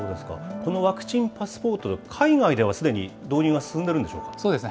このワクチンパスポート、海外ではすでに導入が進んでるんでそうですね。